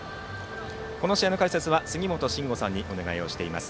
この試合の解説は杉本真吾さんにお願いしています。